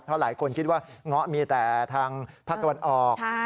เพราะหลายคนคิดว่าเงาะมีแต่ทางภาคตะวันออก